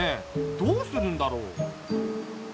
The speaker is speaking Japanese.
どうするんだろう？